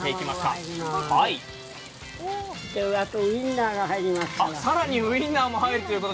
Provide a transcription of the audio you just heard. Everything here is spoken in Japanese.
あとウインナーが入ります。